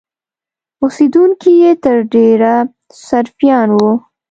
اوسېدونکي یې تر ډېره سرفیان وو.